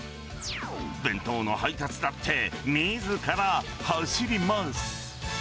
弁当の配達だってみずから走ります。